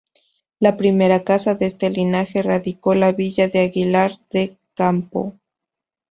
La primera casa de este linaje radicó la villa de Aguilar de Campoo.